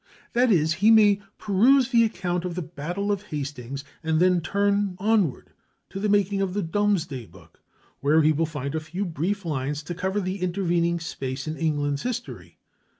That is, he may peruse the account of the battle of Hastings and then turn onward to the making of the Domesday Book, where he will find a few brief lines to cover the intervening space in England's history.